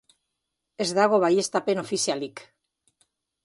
Ez dago baieztapen ofizialik.